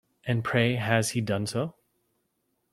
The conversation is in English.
And pray has he done so?